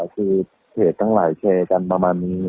เศษตั้งหลายแคร์กันประมาณนี้